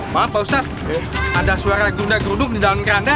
maaf pak ustadz ada suara gerunda kerudung di dalam keranda